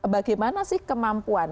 bagaimana sih kemampuan